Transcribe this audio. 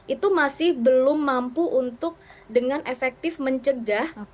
itu masih belum mampu untuk dengan efektif mencegah